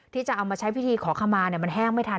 ที่จะเอามาใช้พิธีขอขมามันแห้งไม่ทัน